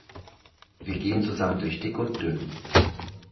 Wir gehen zusammen durch dick und dünn.